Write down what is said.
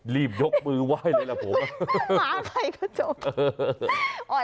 รีบยกมือไหว้เลยแหละ